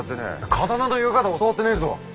刀のよけ方教わってねえぞ。